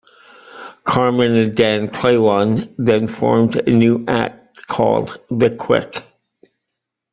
Carmen and Dann Klawon then formed a new act called The Quick.